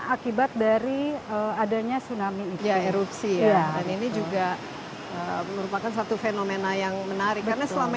akibat dari adanya tsunami ya erupsi ya dan ini juga merupakan satu fenomena yang menarik karena selama